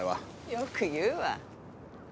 よく言うわ。